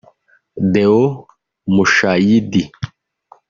Déo Mushayidi